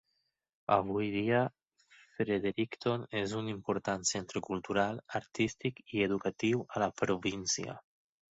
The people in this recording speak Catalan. Avui dia, Fredericton és un important centre cultural, artístic i educatiu a la província.